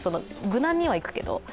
無難にはいくけど。